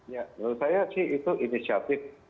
ya menurut saya sih itu inisiatif